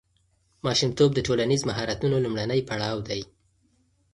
ماشومتوب د ټولنیز مهارتونو لومړنی پړاو دی.